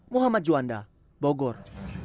muhammad juanda bogor